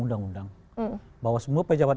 undang undang bahwa semua pejabat